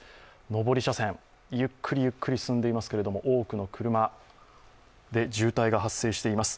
上り車線、ゆっくりゆっくり進んでいますけれども、多くの車で渋滞が発生しています。